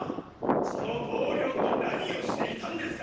その同僚と何をしていたんですか！？